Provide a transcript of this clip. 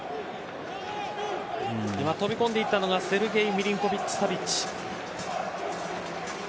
今、飛び込んでいったのがセルゲイ・ミリンコヴィッチ・サヴィッチ。